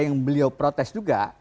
yang beliau protes juga